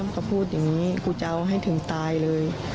ก็พูดอย่างนี้กูจะเอาให้ถึงตายเลย